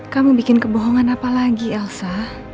kamu bikin kebohongan apa lagi elsa